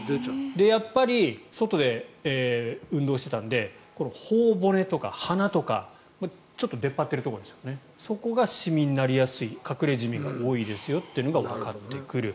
やっぱり外で運動していたので頬骨とか鼻とかちょっと出っ張ってるところがシミになりやすい隠れジミが多いですよというのがわかってくる。